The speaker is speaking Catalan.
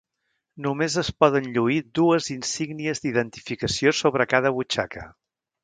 Només es poden lluir dues insígnies d'identificació sobre cada butxaca.